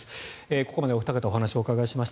ここまでお二方にお話をお伺いしました。